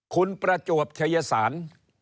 คุณประจวบชายสาร